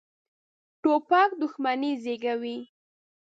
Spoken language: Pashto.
توپک دښمني زېږوي.